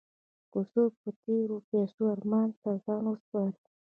که څوک په تېرو پسې ارمان ته ځان وسپاري.